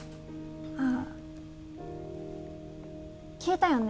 ああ聞いたよね